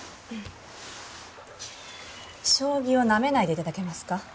将棋をなめないで頂けますか。